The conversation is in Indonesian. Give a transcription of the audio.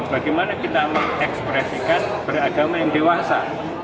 bagaimana kita mengekspresikan beragama yang dewasa